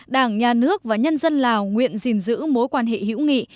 đảng nhà nước và nhân dân lào nguyện giữ mối quan hệ hữu nghị